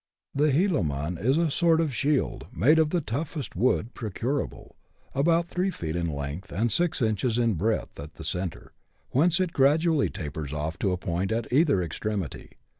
The heeloman is a sort of shield, made of the toughest wood procurable, about three feet in length, and six inches in breadth at the centre, whence it gradually tapers off to a point at either extremity.